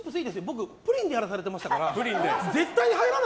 僕プリンでやらされてましたから。